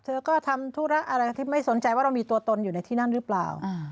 เธอก็ทำธุระอะไรที่ไม่สนใจว่าเรามีตัวตนอยู่ในที่นั่นหรือเปล่า